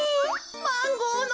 マンゴーの。